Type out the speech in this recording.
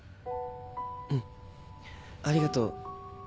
うんありがとう。